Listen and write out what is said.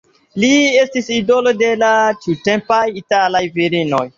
Li estis idolo de la tiutempaj italaj virinoj.